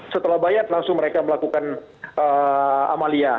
setelah bayat langsung mereka melakukan amalia